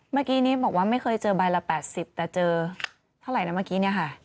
เมื่อกี้นี้บอกว่าไม่เคยเจอใบละ๘๐แต่เจอเท่าไหร่นะเมื่อกี้เนี่ยค่ะ